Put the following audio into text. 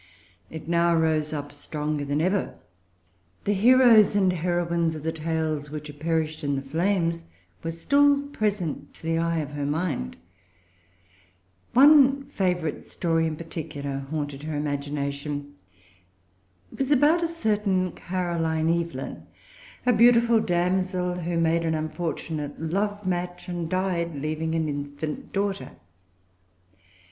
It now rose up stronger than ever. The heroes and heroines of the tales which had perished in the flames were still present to the eye of her mind. One favorite story, in particular, haunted her imagination. It was about a certain Caroline Evelyn, a beautiful damsel who made an unfortunate love match, and died, leaving an infant daughter.